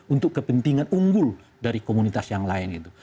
untuk kepentingan unggul dari komunitas yang lain gitu